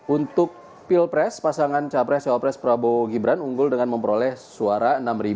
untuk pilpres pasangan capres dan praseprabo gibran unggul dengan memperoleh enam dua ratus enam puluh enam suara